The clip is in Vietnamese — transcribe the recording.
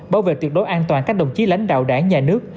bảo vệ tuyệt đối an toàn các đồng chí lãnh đạo đảng nhà nước